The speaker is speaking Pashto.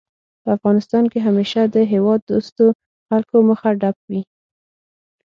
په افغانستان کې همېشه د هېواد دوستو خلکو مخه ډب وي